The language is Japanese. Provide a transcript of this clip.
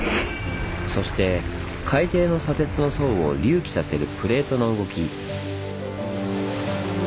そして海底の砂鉄の層を隆起させるプレートの動き。